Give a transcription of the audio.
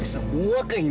saya enggak punya uang